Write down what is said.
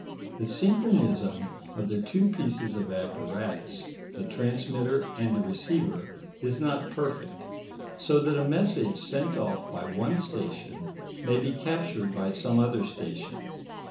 The synchronism of the two pieces of apparatus, the transmitter and the receiver, is not perfect, so that a message sent off by one station may be captured by some other station.